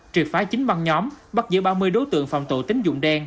triệt phái chính băng nhóm bắt giữ ba mươi đối tượng phòng tụ tính dụng đen